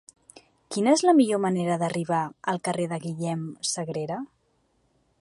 Quina és la millor manera d'arribar al carrer de Guillem Sagrera?